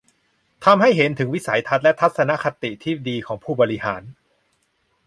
ทำให้เห็นถึงวิสัยทัศน์และทัศนคติที่ดีของผู้บริหาร